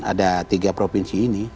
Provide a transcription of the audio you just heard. ada tiga provinsi ini